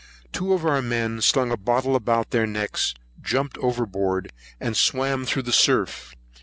Two of our men slung a bottle about their necks, jumped overboard, and swam through the surf.